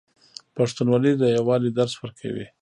پښتونولي د یووالي درس ورکوي.